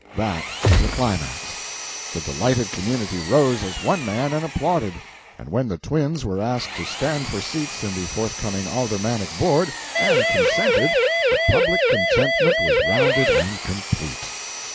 That was the climax. The delighted community rose as one man and applauded; and when the twins were asked to stand for seats in the forthcoming aldermanic board, and consented, the public contentment was rounded and complete.